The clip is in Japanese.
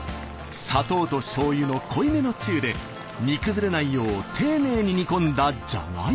砂糖としょうゆの濃いめのつゆで煮崩れないよう丁寧に煮込んだじゃがいも。